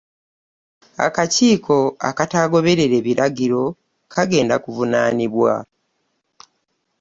Akakiiko akataagoberere biragiro kagenda kuvunaanibwa.